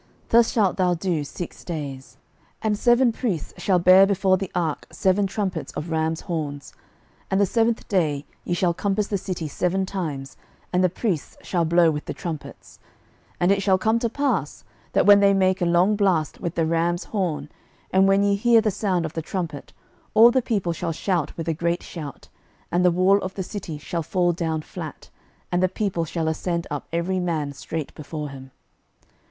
Thus shalt thou do six days. 06:006:004 And seven priests shall bear before the ark seven trumpets of rams' horns: and the seventh day ye shall compass the city seven times, and the priests shall blow with the trumpets. 06:006:005 And it shall come to pass, that when they make a long blast with the ram's horn, and when ye hear the sound of the trumpet, all the people shall shout with a great shout; and the wall of the city shall fall down flat, and the people shall ascend up every man straight before him.